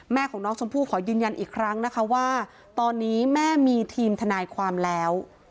ของน้องชมพู่ขอยืนยันอีกครั้งนะคะว่าตอนนี้แม่มีทีมทนายความแล้ว